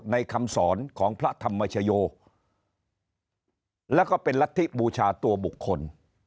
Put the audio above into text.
คำสอนของพระธรรมชโยแล้วก็เป็นรัฐธิบูชาตัวบุคคล